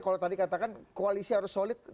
kalau tadi katakan koalisi harus solid